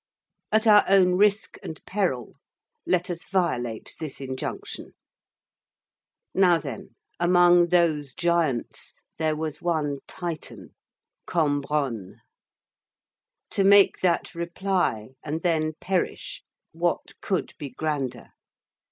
At our own risk and peril, let us violate this injunction. Now, then, among those giants there was one Titan,—Cambronne. To make that reply and then perish, what could be grander?